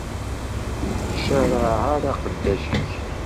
Ur ttcaraɛ ara aqeddac-ik.